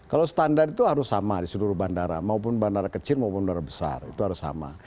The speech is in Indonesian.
kalau standar itu harus sama di seluruh bandara maupun bandara kecil maupun bandara besar itu harus sama